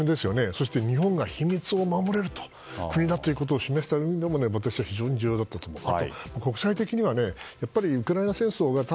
そして日本が秘密を守れる国だと示すためにも私は非常に重要だったと思います。